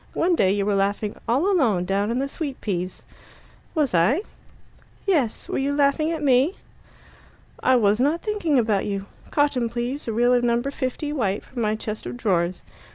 One day you were laughing alone all down in the sweet peas." "Was I?" "Yes. Were you laughing at me?" "I was not thinking about you. Cotton, please a reel of No. 50 white from my chest of drawers.